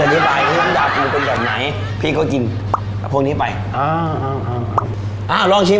และที่สำคัญนะคุณผู้ชมมีความอ๋อมีความมันของกะทิมากมากครับ